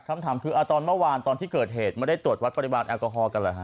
คำถามคือตอนเมื่อวานตอนที่เกิดเหตุไม่ได้ตรวจวัดปริมาณแอลกอฮอลกันเหรอฮ